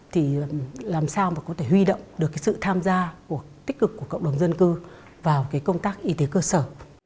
thì làm sao mà có thể huy động được cái sự tham gia tích cực của cộng đồng dân cư vào cái công tác y tế cơ sở